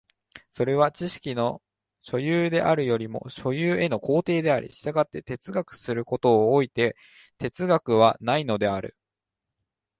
それは知識の所有であるよりも所有への行程であり、従って哲学することを措いて哲学はないのである。